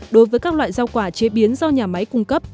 đối với các loại rau quả chế biến do nhà máy cung cấp